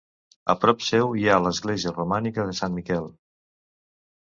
A prop seu hi ha l'església romànica de Sant Miquel.